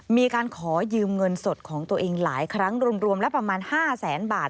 มีการขอยืมเงินสดของตัวเองหลายครั้งรวมแล้วประมาณ๕แสนบาท